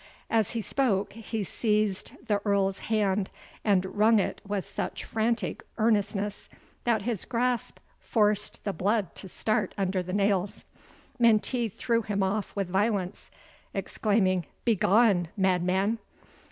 As he spoke, he seized the Earl's hand, and wrung it with such frantic earnestness, that his grasp forced the blood to start under the nails. Menteith threw him off with violence, exclaiming, "Begone, madman!"